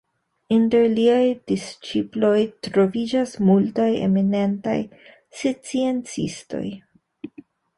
Inter liaj disĉiploj troviĝas multaj eminentaj sciencistoj.